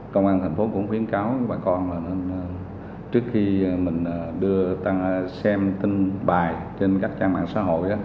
công an thành phố cũng khuyến cáo bà con là nên trước khi mình đưa tăng xem tin bài trên các trang mạng xã hội